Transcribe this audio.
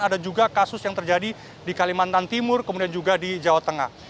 ada juga kasus yang terjadi di kalimantan timur kemudian juga di jawa tengah